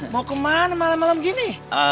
mau ke mana malam malam gini